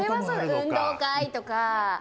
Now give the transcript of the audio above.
運動会とか。